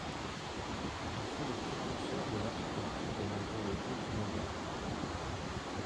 Il fut le précurseur de l'architecture des moteurs de course modernes.